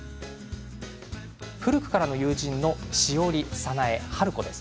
古くからの友人の栞沙苗、晴子です。